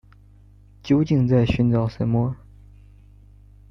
究竟在寻找什么